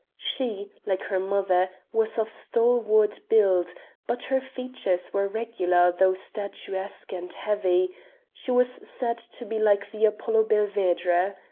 She, like her mother, was of stalwart build, but her features were regular though statuesque and heavy she was said to be like the Apollo Belvedere.